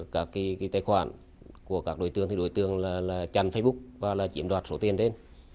cái tài khoản của các đối tượng thì đối tượng là chăn facebook và là chiếm đoạt số tiền đến